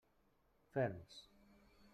Ferms!